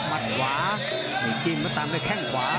หมัดขวาเกมมาตามด้วยเกงขวา